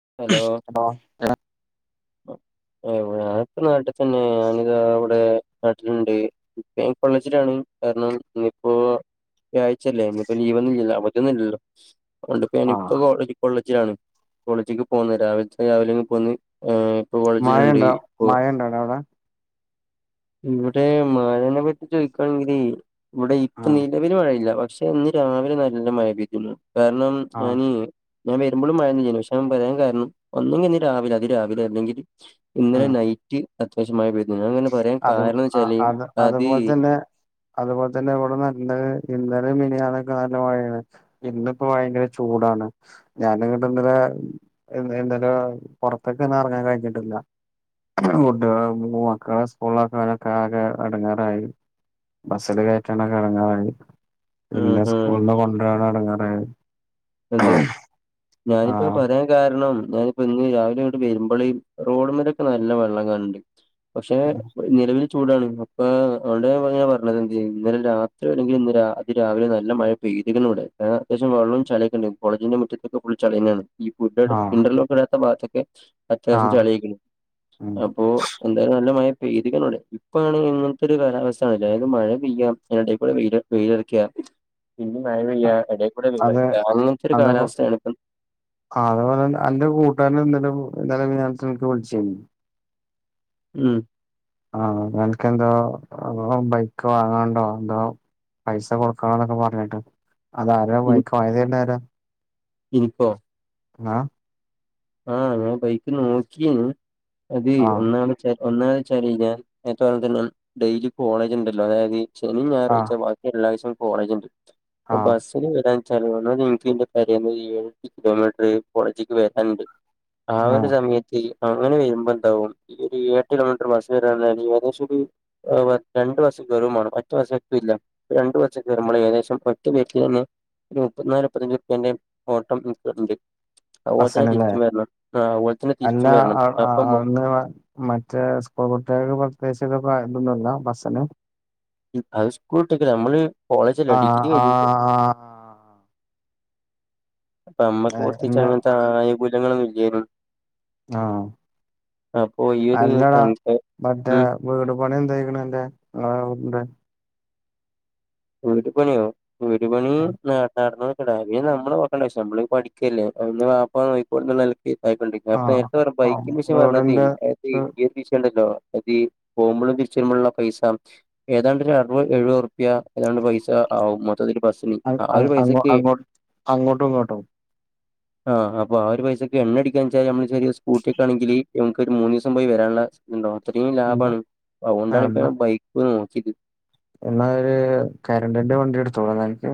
അ [unintelligible] [unintelligible] പ്പ നാട്ടിൽ തന്നെനിത അവിടെ നാട്ടിലുണ്ട് ഇപ്പ ഞ കൊള്ളച്ചിട്ടാണ് കാരണം ഇയിപ്പോൊ വാഴചല്ലേ ഇ ജീവൊന്നും ഇ അവധിയൊന്നും ഇല്ലോ അതൊണ്ട്ിപ്പോ ആഹ് ഞാനിപ്പോ കോ കോളേജിലാണ് കോളേജേക്ക് പോകുന്നത് രാവില രാവിലെങ് പോകുന്ന ഇപ്പൊ വളജിലുണ്ട് മഴയുണ്ടോ ഇപ്പൊ മഴയുണ്ടോടാ അവിടെ ഇവിടെ മാലനെ പറ്റി ചോയിിക്കവാണെങ്കേ ഇവിടെ ഇപ്പ ആഹ് നിലവിില് മഴയില്ല പക്ഷെ ഇന്ന് രാവിലെ നല്ല മഴ പെയ്തിുന്നു കാരണം ആഹ് ഞീ ഞാൻ വരുമ്പോഴും മഴം ഞൻ പറയാൻ കാരണം ഒന്നെങ്കിൽ ഇ രാവിലെ അത് രാവിലെ അല്ലെങ്കിൽ ഇന്നലെ ഉം നൈറ്റ് അത്യാശ്യമായി അങ്ങനെ പറയാൻ അത് കാരണം എന്ന് ആ വെച്ചാല് അത് അതുപോലെ തന്നെ അതുപോലെ തന്നെ ഇവിടെ നല്ല ഇ മിനിയാനൊക്കെ നല്ല മഴയാണ് ഇന്നിപ്പോ ഭയങ്കര ചൂടാണ് ഞാനിങ്ങോട്ട് ഇന്നലെ എ എന്തായാലും പുൊറത്തൊക്ക ഇന്നും ഇറങ്ങാൻ കഴിഞ്ഞിട്ടില്ല ഫുഡ് മൂ മക്കള ളക്കെൊക്കെ ആക്കെ എടങ്ങാറായി ബസ്സിില് കയറ്റാനൊക്കെ എടങ്ങാറായി ആ പിന്നെ ആ സ്കൂള് കൊണ്ടരാണ അടങ്ങറായി അതെ ഞാനിപ്പോ പറയാൻ കാരണം ഞാനിപ്പോ ഇന്ന് രാവിലെ ഇവിടെ വരുമ്പളിും റോഡ് മലൊക്കെ നല്ല വെള്ളം കാണണ്ട് പക്ഷെ നിലവില് ചൂടാണ് അപ്പൊ അതൊണ്ട്ങ്ങനെ പറഞ്ഞത് എന്ത് ചെയ്യ ഇന്നലെ രാത്രിയോ അല്ലെങ്കിൽ ഇന്നലെ അതി രാവിലെ നല്ല മഴ പെയ്ത്ക്ക്ണ് വടെ അത്യാവശ്യം വെള്ളം ചളിം കോളേജിന്റെ മുറ്റത്തൊക്കെ ഫുൾ ചളി തണേന്ന് ഈ ആഹ് ഇന്റർലോക്ക് ഇടാത്ത ഭഗത്തൊക്കെ അത്യാവശ്യം ആഹ് ചെളിയിക്കണം ഉം അപ്പോ എന്തായാലും നല്ല മഴ പെയ്ത്ക്ക്ണ് ഇപ്പാണ് ഇങ്ങനത്തെ ഒരു കാലാവസ്ഥ ആ അതായത് മഴ പെയ്യടെ കൂടെ വെയിലറിക്ക പിന്നെ മഴ പെയ്യ ഇടക്കൂടെ അത വെയിലറിക്ക അതേപോലെ എന്റെ കൂട്ടുകാരെ എന്തലും [unintelligible] രാത്രി ൻക്ക് ബുൾ ച്ചീനി ഉം ആഹ് നക്ക് എന്തോ ബൈക്ക് വാങ്ങണ്ടോ എന്തോ പൈസ കൊടുക്കണംന്നൊക്കെ പറഞ്ഞിട്ട് അതാരാ ബൈക്ക് വാങ്ങിതര്ണതാരാ ഇനിപ്പോ ആഹ് ആഹ് ഞാൻ ബൈക്ക് നോക്കിയന് അത് ആഹ് ഒന്നാമ ഒന്നാ വെച്ചാല് ഞാൻ ഏത്താലന്ന ഡെയിലി കോളേജ് ഉണ്ടല്ലോ അതായത് ശനി ആഹ് ഞായറായിച്ച ബാക്കി എല്ലാ ദിവസും കോളേജ് ഉണ്ട് ആഹ് അപ്പൊ ആഹ് ബസ്സിൽ വരാൻ ചിലവണ ൻക്ക്ന്റെ പെരേന്ന് ഏഴു കിലോമീറ്റർ കോളേജേക്ക് വരാാനുണ്ട് ആ ഒരു ആഹ് സമയത്ത് അങ്ങനെ വരുമ്പോ എന്താവും ഒരു എട്ട് കിലോമീറ് ദിവസവും ഏകദേശം ഒരു രണ്ടു ബസ് കേറുമാണം മറ്റു ബസ് എത്തുല്ല രണ്ടു ബസ് കേറുമ്പം ഏകദേശം വരുമ്പോൾ ഏകദേശം ഒറ്റ വീട്ടിൽ നിന്ന് ഒരു മുപ്പത്തിനാല് മുപ്പത്തഞ്ച് റുപ്പ്യേന്റെ ഓട്ടംണ്ട് ഓനെ ഹസ്സനല്ലേ തിരിച്ച് വണം അല്ല അന്ന് മറ്റേ സ്കൂൾ കുട്ടികൾക്ക് പ്രത്യകി വ ഇന്നല്ല ബസ്സന് ഈ ഹൈസ്കൂൾ ഇട്ടക്ക നമ്മള് കോളേജല്ലേ ആഹ് ഡിഗ്രി വേണ്ടീട്ടേ ആഹ് ആഹ് അപ്പ നമ്മക്ക് പച്ച് ഇന്ന് അങ്ങനത്തെ ആനുകൂല്യങ്ങളൊന്നും ഇല്ലായിരുന്നു ആഹ് ഈ ഒരു അല്ലടാ സംഖ്യ മറ്റേ ഉം വീട് പണി എന്തായിക്കണ് അൻ്റെ ങ്ങളെ വീടിൻ്റെ വീട് പണിയോ വീട് പണി നടന്നോണ്ട് കോ പിന്നെ നമ്മള് പെക്കണ്ട പക്ഷേ നമ്മള് പഠിക്കല്ലേ അ പാപ്പാ നോയിക്കുള്ള ആയിക്കൊണ്ടി അപ്പൊ ആഹ് നേരത്തെ പറഞ്ഞ ആഹ് ബൈക്കിൻ്റെ വിഷം പറഞ്ഞ റോഡിന്റെ ഏത് വിഷയ ഉണ്ടല്ലോ അ പോകുമ്പോഴും തിരിച്ചിരുമ്പോുള്ള പൈസ ഏതാണ്ട്രു അറുപത് എഴുപറ്റുപ്യ ഏതാണ്ട് പൈസ ആവും മൊത്തത്തില് ഒരു ബസിന് അ- ആ ഒരു അ- അങ്ങോ പൈസക്ക് അങ്ങോട്ട് അങ്ങോട്ടും ഇങ്ങോട്ടും ആഹ് അപ്പ ആ ഒരു പൈസക്കെ എണ്ണടിക്കാന്ന് വെച്ചാൽ നമ്മള് യ സ്കൂട്ടിൊക്കെ ആണെങ്കില് നമുക്കൊരു മൂന്ന് ദിവസം പോയി വരാനുള്ളണ്ടും അത്രയും ഉം. ലാഭമാണ് ആ അതുകൊണ്ടാണ് എന്നാ ഇപ്പപ്പോ ബൈക്ക് ക്കുത് എന്നാ ഒരു കരണ്ടിന്റെ വണ്ടി എടുത്തോളാം നിനിക്ക്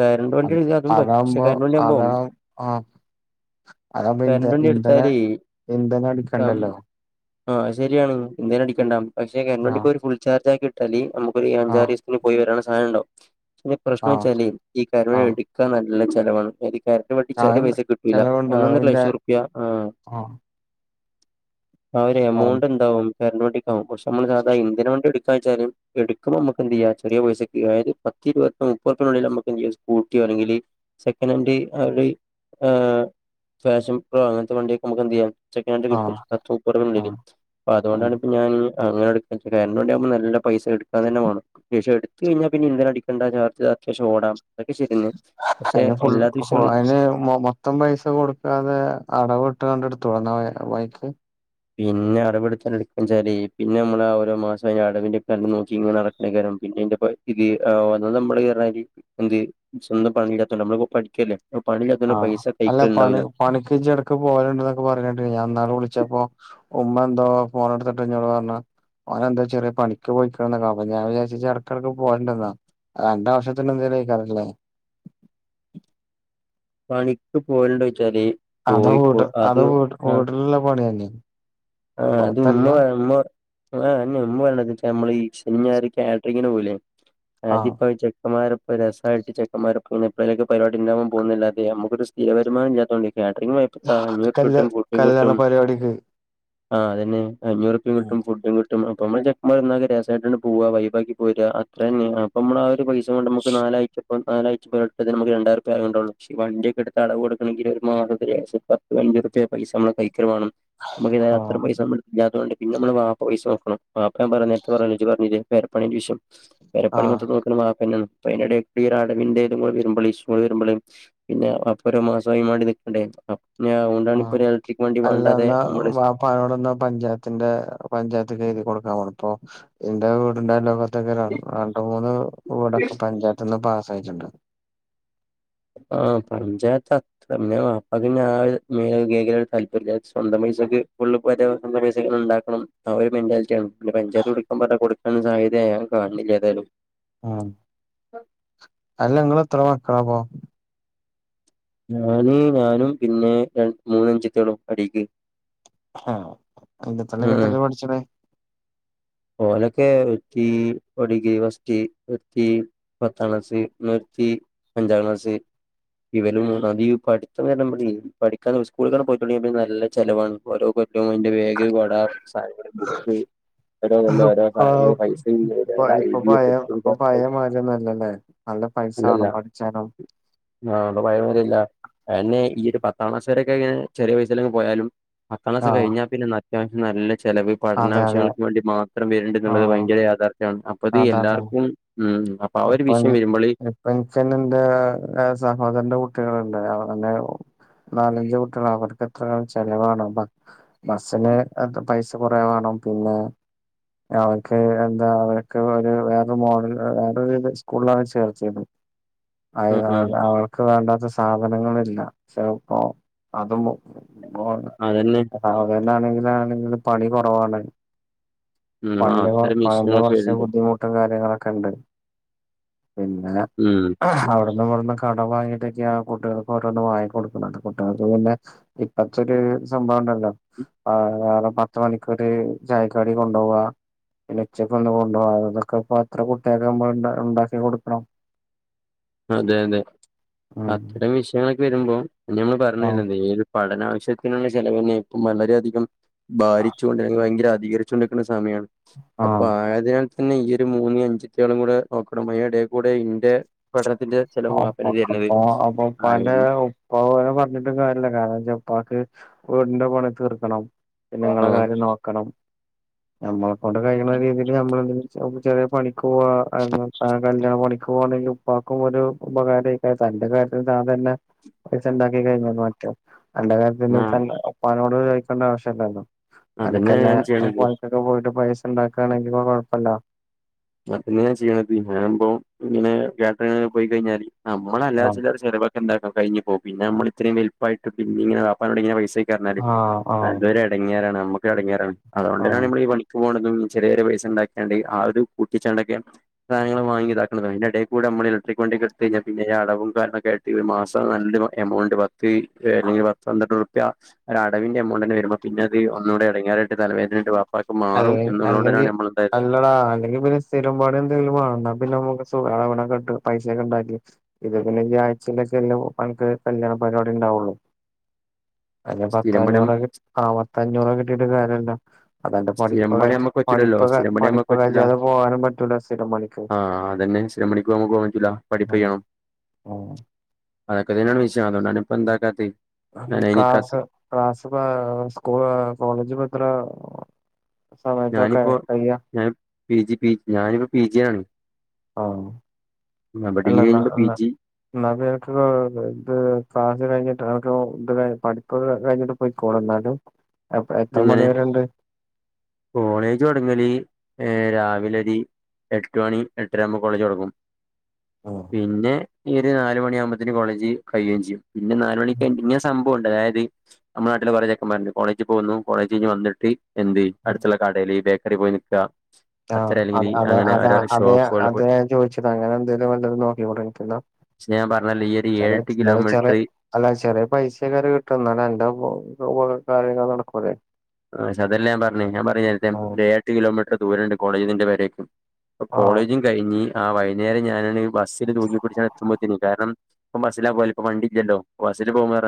കറന്റ് വണ്ടി എടുത്താ അതും ആ പറ്റും പക്ഷെ കറന്റ് വണ്ടി ആ ആകുമ്പോ ആഹ് അതപ്പൊന്ത കറന്റ് വണ്ടി ഇന്ധന എടുത്താല് ഇന്ധനം അടിക്കണ്ടല്ലോ ആഹ് ശരിയാണ് ഇന്ധനം അടിക്കണ്ടാ പക്ഷ കരണ്ട് വണ്ടിപ്പോ ആഹ് വേണ്ടിപ്പോ ഒരു ഫുൾ ചാർജ് ആക്കിട്ടാല് നമുക്ക് ആഹ് അഞ്ചാറിസത്തിന് പോയി വരാള്ള സാധം ഉണ്ടോ പ്രശ്നം ആഹ് വെച്ചാലേ ഈ കരുവഴ ആഹ് എടുക്കാൻ നല്ല ചെലവാണ് എ കാരറ്റ് വണ്ടി ചെറിയ അതെന്നെ പൈസക്ക് കിട്ടൂല ചെലവുണ്ട് ഒന്നൊന്നര അതിന്റെ ലക്ഷം റൂപ്യ ആ ആഹ് ആ ഒരു ആഹ് എമൗണ്ട് എണ്ടാവും [unintelligible] ആകും പക്ഷേ നമ്മള് ഇന്ധന വണ്ടി എടു വെച്ചാല് എടുക്കുമ്പോ നമക്ക് എന്ത്ചെയ ചെറിയ പൈസക്ക് ആയത് പത്തിരുപത് മുപ്പതിനുള്ളിൽ സ്കൂട്ടിയോ അല്ലെങ്കിൽ സെക്കനാൻറ്റ് അവര് ഫാഷൻ പ്രോ അങ്ങനത്തെ വണ്ടിയൊക്കെ നമുക്ക് എന്ത് ചെയ്യാം സെക്കൻനൻ്റ് കിട്ടും ആഹ് പത്തു മുപ്പതുനുള്ളിൽ ആഹ് അപ്പോ അതുകൊണ്ടാണ് ഇപ്പോ ഞാന് അങ്ങനെ എടുക്ക [unintelligible] നല്ല പൈസ എടുക്കാൻ തന്നെ വേണം പൈസ എടു എടുത്ത് കഴിഞ്ഞ പിന്നെ ഇന്ധനം അടിക്കണ്ട ചാർജ് അത്യാവശ്യം ഓടാം അതൊക്കെ ശരിയന്നെ പക്ഷെ അന് ഫു എല്ലാത്ത വിഷയങ്ങളും അതിന് മൊത്തം പൈസ കൊടുക്കാതെ അടവ് എട്ടനടുത്തുണ്ട [unintelligible] ബൈക്ക് പിന്നെ അടവെടു എടുക്കാരി പിന്നെ നമ്മള ഓരോ മാസം അടവിന്റെ ക നോക്കി ഇങ്ങെടക്കണാരം പിന്നെന്റെപ്പ ഇത് വന്ന നമ്മള് എന്ത് സ്വന്തം പണില്ലാത്ത നമ്മളി പഠിക്കല്ലേ പണിയില്ലാത്തോണ്ട് ആഹ് പൈസ അല്ല പി കൈക്കലുണ്ടാവൂല പണി ഇടക്ക് പോവലുണ്ട എന്നൊക്കെ പറഞ്ഞ ഞാൻന്നാ വിളിച്ച പ്പോ ഉമ്മ എന്തോ പോണ എടുത്തോണ്ട് പറഞ്ഞ അവനെന്താ ചെറിയ പണിക്ക് പോയിക്ക ഞാൻ വിചാരിച്ച ഇടക്കിടക്ക് പോകേണ്ടന്നാ രണ്ടാം വർഷത്തിൽ [unintelligible] പണിക്ക് പോയലണ്ട വച്ചാല് അത വട് അവിടുള്ള പണി തന്നെ ആഹ അത് ഉമ്മ ഉമ്മ ആഹ് ഉമ്മ നമ്മള ഈ ശനിഞ്ഞഞാ കാറ്ററിങ്ങിന് പോല്ലേ ആഹ് അതിപ്പ ചെക്കന്മാരപ്പ രസമായിട്ട് ചെക്കന്മാര പ്പോലൊക്ക പരിപാടി ഉണ്ടാവാൻ പോകുന്നില്ലതെ നമുക്കൊരു സ്ഥിര വരുമാനമില്ലാത്തതുകൊണ്ടെ കാറ്ററിംഗ് പോയപ്പോ അഞ്ഞൂറ് കല്യാ കിട്ടും ഫുഡും കല്യാണ കിട്ടും പരിപാടിക്ക് ആഹ്തെ അഞ്ചുറുപ്യ കിട്ടും ആഹ് ഫുഡും കിട്ടും നമ്മള് ചെക്കമാര് രസമായിടന്ന് പോവാ വൈബക്കി പോയിട്ട് അത്ര തന്നെ അപ്പോ നമ്മടെ ഒരു പൈസ നമുക്ക് നാലായിട്ട് ഇപ്പം നാലാഴ്ച നമുക്ക് രണ്ടായിരരൂപ്യ എണ്ടുള്ളൂ വണ്ടിയൊക്കെ എടുത്താല് അടവ് കൊടുക്കാനെങ്കിൽ ഒരു മാസത്തില് ഏകദേശ പത്ത് വണ്ടി അഞ്ഞറുപ പൈസ നമ്മള് കായിക്കല് വേണം നമുക്ക് അത്ര പൈസയില്ലാത്തോണ്ടേ പിന്നെ നമ്മടെ വാപ്പ പൈസ നോക്കണം വാപ്പ പറഞ്ഞത് നേരത്തെ ഇഞ്ച് പറഞ്ഞത് പേരപ്പണിൻ്റെ വിഷയം പെരുപ്പണി ആഹ് മൊത്തം നോക്കണത് വാപ്പ തന്നെയാണ് അപ്പോ അതിനിടയിൽ കൂടെ അടവിന്റെത് കൂടെ വരുമ്പാളെ ഇഷ്യൂ വരുമ്പാളെ പിന്നെ അപ്പര മാസമായിമണ്ടി നിക്കണ്ടേ ഉണ്ടാണ് ഇപ്പൊ ഒരു ഇലക്ട്രിക് വണ്ടി വേണ്ടതെ വാപ്പയോടന്ന് പഞ്ചായത്തിന്റെ പഞ്ചായത്ത് തിയതി കൊടുക്കൻ പറഞ്ഞപ്പോ എന്റെ വീട്ടിൻ്റെ അയാലോ ഇതൊക്കെ രണ്ട് മൂന്ന് വീടൊക്കെ പഞ്ചായത്ത് നിന്ന് പാസ്സായിട്ടുണ്ട് ആ പഞ്ചായത്ത് അത്ര പിന്നെ വാപ്പ പിന്നെ ആ മേഖല താല്പര്യല്ല സ്വന്ത സക്ക് ഫുള് പേര വെക്കുന്ന പൈസ ഉണ്ടാകണം ആ ഒരു മെന്റാലിറ്റിയാണ് പഞ്ചായത്ത് കൊടുക്കാൻ പറഞ്ഞാല് കൊടുക്കുന്ന സാഹചര്യ ഇതേ കാണില്ലതാനും ആഹ അല്ല നിങ്ങള് എത്ര മക്കള അപ്പോ ഞാനി ഞാനും പിന്നെ ര മൂന്നഅനുജത്തികളും ആഹ [unintelligible] എത്ര പഠിച്ചണേ ഓലൊക്കെ ഒത്തി ഒടുകി വസ്തി ഒത്തി പത്താംക്ലാസ് തീ അഞ്ചാം ക്ലാസ് ഇവലും അതി ഈ പഠിത്തമെല്ലാം പഠിക്കാന്നു സ്കൂളിൽ പോയിട്ടുണ്ടേ നല്ല ചിലവാണ് ഓരോ ഏറ്റവും വേണ്ടിയ ബേഗ് കൊട സാധനങ്ങള് ബുക്ക് ഓരോ കൊല്ലം ഓരോ സാധനങ്ങൾ പൈസ ഇപ്പൊ പയ ഇപ്പൊ പയെമാരിയലല്ലേ പൈസ ആണം പഠിച്ചാനും ആഹ ഇപ്പോ പയെമാരിയല്ല എന്നെ ഈ ഒരു പത്താംക്ലാസ് പിള്ളേരൊക്കെ ആയിക്കഴിഞ്ഞാൽ ചെറിയ വയസില് പോയും പത്താംക്ലാസ് ആഹ് കഴിഞ്ഞ പിന്നെ നല്ല നല്ല ചിലപ്പോ ഈ പഠന അതെ അതെ ആവശ്യങ്ങൾക്ക് വേണ്ടി മാത്രം വരുന്നുണ്ടണ്ട് എന്നുള്ളത് ആഹ് ഭയങ്കര യാഥാർ അപ്പത് അതെ അതെ എല്ലാർക്കും ഉ അപ്പൊ ഇപ്പ എനിിക്കെ എന്റെ സഹോദരന്റെ കുട്ടികള്ണ്ട് അവരെന്നെ നാലഞ്ച് കുട്ടികൾ അവർക്ക് എത്ര [inaudible] ചെലവാണ് ബ ബസ്സിന് എത് പൈസ കൊറേ വാണം പിന്നെ അവൻക്ക് എന്താ അവര്ക്ക് ഒരു വേറെ മോഡൽ ഹ് ആ [unintelligible] സ്കൂളിലാണ് ചേർത്തിയത്. ആ അയ് ആ അവള് അവൾക്ക് വേണ്ടാത്ത സാധനങ്ങളില്ല ചെലപ്പോ അതും മു ഗോഡ അതന്നെ സാധനാണെങ്കിലാണെങ്കിലും പണി കൊറവാണ്. ഉം ആ പണിൻ്റെ [unintelligible] അത്തരം പഴെന്റെ വിഷയങ്ങളൊക്കെ കൊറച്ച് വരുന്നുണ്ട് ബുദ്ധിമുട്ടും കാര്യങ്ങളൊക്കെ ഇണ്ട്. പിന്നെ ഉം അവട്ന്നും ഇവട്ന്നൊ കടം വാങ്ങീട്ടെക്കെയാ കുട്ടികൾക്ക് ഓരോന്നും വാങ്ങി കൊടുക്ക്ണത് കുട്ടികൾക്ക് പിന്നെ ഇപ്പത്തൊര് സംഭ ണ്ടല്ലോ ആ വേറെ പത്ത് മണിക്കൊര് ചായക്കടി കൊണ്ടോവാ പിന്നെ ഉച്ചക്ക് ഒന്ന് കൊണ്ടുപോകണം അതന്നൊക്കെ ഇപ്പം എത്ര കുട്ടിയൊക്കെ നമ്മൾ ഉണ്ടാക്കി കൊടുക്കണം അതെ അതെ ഉം അത്തരം വിഷയങ്ങളൊക്കെ വരുമ്പോ ഞമ്മൾ ആഹ് പറഞ്ഞുവരുന്നത് ഈ ഒരു പഠനാവശ്യത്തിനുള്ള ചെിലവന്നെ ഇപ്പം വളരെയധികം ബാരിച്ചൊണ്ടങ്കിൽ ഭയങ്കര അധികരിച്ചൊണ്ടിരിക്കുന്ന സമയമാണ് അപ്പൊ ആഹ് ആയതിനാൽ തന്നെ ഈ ഒരു മൂന്നും അനുഞ്ചത്തിയാളും കൂടെ നോക്കണം അ ഇട കൂടെ ഇന്റെ പഠ അപ്പൊ അപ്പൊ ആയി ഉപ്പാന്റെ ഉപ്പാനെ പറഞ്ഞിട്ട് കാര്യല്ല കാരണം ഇന്റെ ഉപ്പാക്ക് വീടിന്റെ പണി തീർക്കണം പിന്നെ ഞങ്ങള ആഹ് കാര്യം നോക്കണം നമ്മൾ കൊണ്ട് കഴിയുന്ന രീതിയില് നമ്മളെണ്ട് ചെറിയ പണിക്ക് പോവാ കല്യാണം പണിക്ക് പോവാണെങ്കിൽ ഉപ്പാക്കും ഒരു ഉപകാരൊക്കെ തന്റെ കാര്യത്തിൽ താൻ തന്നെ ഉണ്ടാക്കി കഴിഞ്ഞ മറ്റേ അന്റെ കാര്യത്തിൽ ആഹ് ഉപ്പാനോട് ചോദിക്കേണ്ട ആവ്യശല്ലല്ലോ അതന്നെ അനക്കന്നെ ഞാൻ ചെയ്യണത് പണിക്കൊക്കെ പോയിട്ട് പൈസ ഉണ്ടാക്കുകയാണെങ്കിൽ കുഴപ്പമില്ല അതന്നൊ ചെയ്യണത് ഞാനൻ ഇ്പ ഇങ്ങനെ കാറ്ററിങ് പോയി കഴിഞ്ഞാല് നമ്മള അല്ലാെ ആഹ് ചില ചിലവക്കെന്താക്കാം കഴഞ്ഞ പോ പിന്നെ നമ്മള ഇത്രയും വെുപ്പായിട്ട് പിന്ന ഇങ്ങൊ ഇങ്ങന പൈസ പറഞാല് ആഹ് അത് ഒരു ഇടങ്ങാറാണ് നമ്മുക്ക് ഇടങ്ങിയറ അതുകൊണ്ട് ആഹ് താന്നയാണ് നമ്മൾ ഈ പണിക്ക് പോകുന്നത് ചെറിയ ഒരു പൈസ ഇണ്ടാക്കികാണ്ട് ആ ഒരുത് കൂട്ടിച്ചാണ്ടൊക്കെ സാധനങ്ങള് വാങ്ങി ഇതാക്ക്ണത് അതിന്റ എട കൂടെ നമ്മള് ഇലക്ട്രി വണ്ടിക്ക് എടുത്ത് കഴിഞ്ഞൽ പിന്നെ അളവും കാരൊക്കെ ഒരു മാസം ഒരു നല്ല എമൗണ്ട് ത്ത് [unintelligible] പാത്ത് പന്ത്രണ്ട് ഉറുപ്പിക ഒ അടവിന്റെ എമൗണ്ട് തന്ന വരുമ്പോ പിന്ന അത് ഒന്നൂ ഇടങ്ങറായിട്ട് തലവേദന ആയിട്ട് വാ അല്ല അല്ലെങ്കിൽ അല്ലോടാ അല്ലെങ്കിൽ പിന്നെ സ്ഥിരം പണി എന്തങ്കിലും വേണം പിന്നെ നമുക്ക് സുക [unintelligible] പൈസയൊക്കെ ഉണ്ടാക്കി ഇത് പിന്നെ ഞ്ഞ് [unintelligible] [unintelligible] അനക്ക് കല്യാണ പരിപാടി ഉണ്ടാവുള്ളു അതി പത്ത് സ്ഥിരം പണി അഞ്ഞൂറെ ആ പത്തെ അഞ്ഞൂറെ കിട്ടിട്ട് കാര്യല്ല അതന്റെ സ്ഥിരം പഠിപ്പ പണി നമ്മക്ക് പറ്റൂലല്ലോ പഠിപ്പൊ സ്ഥിരം പണി നമ്മക്ക് പഠിപ്പ് പറ്റൂല കജ്ജാദേ പോകാനും പറ്റൂല സ്ഥിരം പണിക്ക് ആ അതന്നെ സ്ഥിരം പണിക്ക് നമുക്ക് പോകാൻ പറ്റൂല പഠിപ്പ് കയ്യണം ആഹ്. അതൊക്കെ തന്നെയാണ് വിഷയം അതോണ്ടാണ് ഇപ്പ എന്താക്കാത്തി. ക്ലാസ് ക്ലാസ് പ സ്കൂൾ കോളേജ് ഭദ്ര ഞാനിപ്പോ ഞാൻ പി ജി പി ഞാനിപ്പോ പി ജി ആണ്. ആഹ്. അല്ല ഡിഗ്രി അല്ല കഴിയുമ്പോ പി അല്ല ജി എന്നാപ്പ എനക്ക് ഇത് കാജ കഴി ട്ടാകെ ഇത് പഠിപ്പ് കഴിഞ്ഞിട്ട് പോയിക്കോള് എന്നാല്. എങ്ങനെ കോളേജ് തൊടങ്ങല് ഏഹ് രാവിലെരി എട്ട് മണി എട്ടര ആവുമ്പോ കോളേജ് തൊടങ്ങും. ആഹ് പിന്നെ ഈ ഒരു നാല് മണി ആവുമ്പത്തേന് കോളേജ് കഴിയേം ചെയ്യും പിന്നെ നാലുമണിക്ക് പിന്നെ സം ബോണ്ട് അതായത് നമ്മ നാട്ടില് കുറേ ചെക്കന്മാരിണ്ട് കോളേജിൽ പോകുന്നു കോളേജ് കഞ്ഞ് വന്നിട്ട് എന്ത് അടുത്തുള്ള കടെല് ബേക്കറി പോയി നിക്ക ആ അ അത അത അതെ ഷോപ്പുകൾ പോയി അതെ ചോദിച്ചത് അങ്ങനെ എന്തേലും വല്ല നോക്കിക്കൂടെ ആൻക്ക് എന്ന. പക്ഷെ ഞാൻ പറഞ്ഞല്ലോ ഈ ഒരു ചെറ ഏഴെട്ട് എന്നാല് ചെറിയ കിലോമീറ്റർ അല്ല ചെറിയ പൈസ കറി കിട്ടും എന്നാലും എന്റെ അഹ് കാര്യങ്ങള് നടക്കൂലെ? പ് അതല്ല ഞാ പറഞ്ഞു ഞാൻ പറഞ്ഞ നേരത്തെ ആഹ് ഏ എട്ട് കിലോമീറ്റർ ദൂര ഉണ്ട് കോളേജ് നിന്റെ വരേക്കും ഇപ്പൊ ആഹ് കോളേജും കഴിഞ്ഞ് ആ വൈന്നേരം ഞാനാണെ ബസിൽ തൂക്കി പിടിച്ചാണ് എത്തുമ്പോത്തിന് കാരണം ഇപ്പം ബസ്സില പോല ഇപ്പ വണ്ട ഇല്ലല്ലോ അരി പോകേറ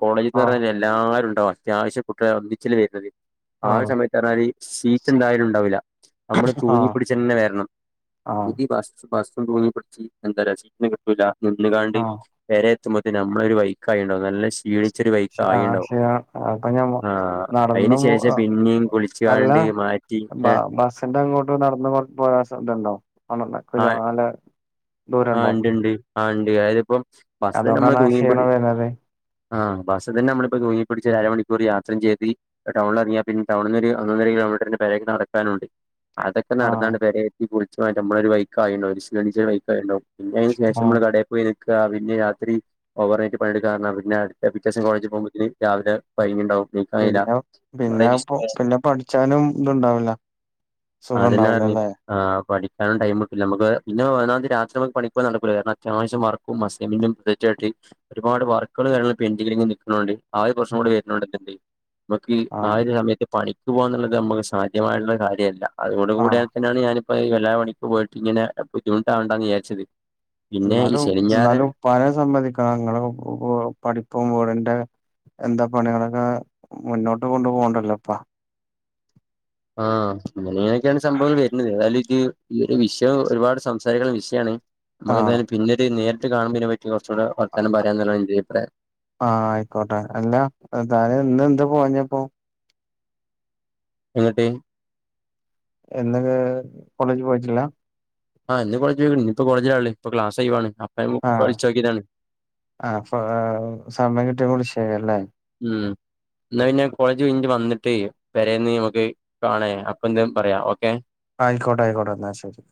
കോളേജ് എന്ന് ആഹ് പറഞ്ഞൽ എല്ലാരും ഉണ്ടാവും അത്യാവശ്യം കുട്ടിക ഒന്നിച്ചിൽ വരുന്നത് ആ ആഹ് സമയത്ത് പറഞ്ഞാല് സീറ്റ് എന്തായാലും ഉണ്ടാവില്ല നമ്മള് തൂങ്ങി ആഹ് പിടിച്ചന്നെ വരണം ആഹ് തൂങ്ങി എന്തീറ്റന് കിട്ടൂല്ല നിന്നുകാണ്ട് ആഹ് വേറെ നമ്മളൊ ഒരു ബൈക്ക ആ ഉണ്ടോ നല്ല ഷി ആ ശരി അപ്പൊ ഞാൻ ആഹ് അയിന് ശേഷം പിന്നിം അല്ല കുളിച്ച്കാണ്ട് മാറ്റി ഏഹ് ബസിന്റെ അങ്ങോട്ട് നടന്ന് പോയാ [unintelligible] ആ ഇണ്ട് ഇണ്ട് ആ ഇണ്ട് അതിപ്പം ബസലെന്നെ നമ്മള് അതുകൊണ്ടാണ് ആ തൂങ്ങി പ്പിടി ക്ഷീണം വരുന്നത് ആഹ ബസ് തന്നെ നമ്മിപ്പോ തൂങ്ങിപ്പിടിച്ച് ഒരു അരമണിക്കൂർ യാത്ര ചെയ് ടൗണിൽ അറങ്ങിയ പിന്ന ടൗണന്ന് ഒരു ഒന്നൊന്നര നടക്കാനുണ്ട് അതൊക്കെ ആഹ് നടന്നാണ്ട് വരെ എത്തി കുളിച്ചു നമ്മള ഒരു ബൈക്ക് ആയ ഒരു ശീ ബൈക്ക് ആയണ്ടോ പിന്നെ അതിനുശേഷ ആഹ് നമ്മൾ കടയിൽ പോയി അ രാത്രി ഓവർനൈറ്റ് പണിയെടുക്കാ പിറ്റേസം കോളേജിൽ പോകുമ്പോ ഇതിന് രാവിലെ കൊയങ്ങിണ്ടാവും പിന്നെ പിന്നെ പിന്നെ പഠിച്ചാലും ഇതുണ്ടാവില്ല സുഖം അതെന്നെ ഉണ്ടാവില്ല പറഞ്ഞി അല്ലേ ആ പഠിക്ക കാരണം ടൈംമട്ടില്ല നമക്ക് പിന്ന ഒന്നാമ രാത്രി നമു പണി പോല്നടക്കുല കാരണം അത്വശ്യ വർക്കും മസ്യും പ്രത്യകായിട്ട് ഒരുപാട് വർക്കുകൾ കാര്യങ്ങ പെന് നിൽക്കണണ്ട് ആ ഒരു കുറച്ചും കൂടെ വരരുന്നുണ്ടുണ്ട് നമുക്ക് ആ ആഹ് ഒരു സമയത്ത് പണി പോക എന്നത് നമു സാധ്യുള്ള കാര്യല്ല ആഹ് അതോടുകൂടാതെ തന്നെയാണ് ഞാന അപ്പൊ എല്ലാ മണിക്ക് പോയിട്ട് ഇങ്ങനെ ബുദ്ധിമുട്ടാവണ്ടന്ന് വിചാരിച്ചത് പിന്നെ ഈ എന്നാലും ശനിയും ഞായറും എന്നാലും പല സംമ്മന്തിക്ക ഞങ്ങള് പഠിപ്പുമ്പോ എന്താ പണികളൊക്കെ മുന്നോട്ട് കൊണ്ടു പോകണ്ടല്ലോ ഇപ്പ ആ അങ്ങന ഇങ്ങനെയൊക്കെയാണ് സംഭവങ്ങൾ വരുന്നത്ഏതായാലും ഈ ഒരു വിഷയം ഒരുപാട് സംസാരിക്കുന്ന വിഷയമാണ് നമുക്ക് എന്തായാലും പിന്നെ ഒരു നേരിട്ട് കാണുമ്പോ ഇനി പറ്റി കുറച്ചുകൂടെ വർത്താനം പറയാന്നുള്ളതാണ് എന്റെ അഭിപ്രായം ആ ആയിക്കോട്ടെ അല്ല താന് ഇന്ന് എന്ത് പോഞ്ഞ ആ [unintelligible] പിന്നട്ട എന്ത കോളേജ് പോയിട്ടില്ല ആഹ് കോളേജ പോയി ഇപ്പോ കോളേജില ആ ഇൊ ക്ലാസ ഒയ് വ് ആണ് ആ ആപ്പ സമയം കിട്ടിയ കള ശല്ലേ ഉം എന്നാ പിന്നെ കോളേജ് കഞ് വന്നിട്ട് വരന്ന് നമുക്ക് കാണേ അപ്പ എന്ത പറയാ ഓക്കെ ആയിക്കോട്ടെ ആയിക്കോട്ടെ എന്ന എന്നാ ശരി